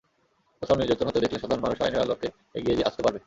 কোথাও নির্যাতন হতে দেখলে সাধারণ মানুষও আইনের আলোকে এগিয়ে আসতে পারবে।